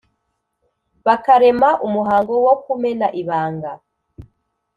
Bakarema umuhango wo kumena ibanga